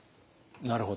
なるほど。